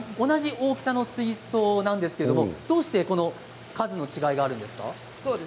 同じ大きさの水槽なんですが、どうして数の違いがあるんですか？